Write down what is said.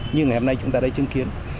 như ngày hôm nay chúng ta đã chứng kiến